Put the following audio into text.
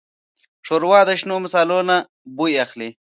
ښوروا د شنو مصالو نه بوی اخلي.